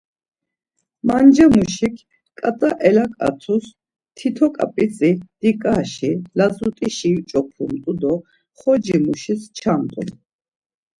Mance muşik ǩat̆a elaǩatus tito ǩap̌itzi diǩaşi, lazut̆işi yuç̌opamt̆u do xoci muşis çamt̆u.